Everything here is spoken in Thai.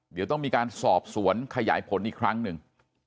เดี๋ยวต้องมีการสอบสวนขยายผลอีกครั้งหนึ่ง